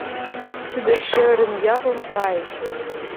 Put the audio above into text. тудо шӧрын йӧрлын кайыш.